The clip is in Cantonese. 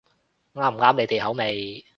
啱唔啱你哋口味